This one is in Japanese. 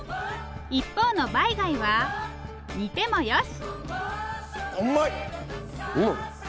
一方のバイ貝は煮てもよし！